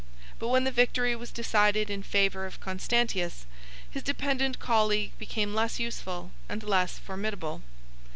19 But when the victory was decided in favor of Constantius, his dependent colleague became less useful and less formidable.